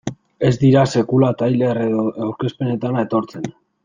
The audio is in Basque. Ez dira sekula tailer edo aurkezpenetara etortzen.